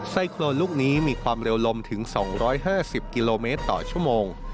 ไซโครนลูกนี้มีความเร็วลมถึง๒๕๐กิโลเมตรต่อชั่วโมง